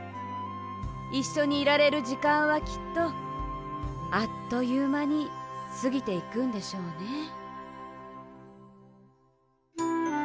いっしょにいられるじかんはきっとあっというまにすぎていくんでしょうね。